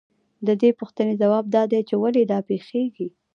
د دې پوښتنې ځواب دا دی چې ولې دا پېښېږي